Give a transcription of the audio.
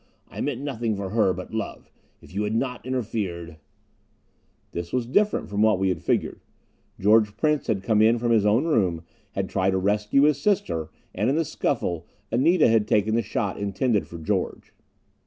I meant nothing for her, but love. If you had not interfered " This was different from what we had figured. George Prince had come in from his own room, had tried to rescue his sister, and in the scuffle, Anita had taken the shot intended for George.